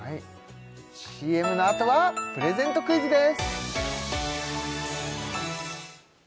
ＣＭのあとはプレゼントクイズです